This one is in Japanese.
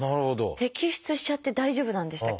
摘出しちゃって大丈夫なんでしたっけ？